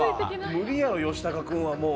無理やろヨシタカ君はもう。